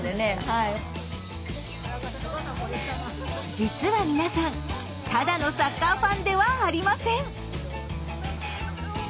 実は皆さんただのサッカーファンではありません。